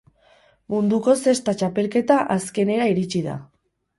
Munduko zesta txapelketa azkenera iritsi da.